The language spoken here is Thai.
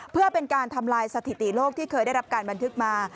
เพื่อเป็นการทำลายสถิติโลกที่เคยได้รับการบันทึกมา